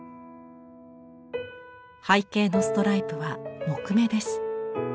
背景のストライプは木目です。